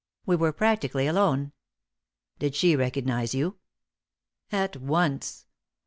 We were practically alone." "Did she recognise you?" "At once.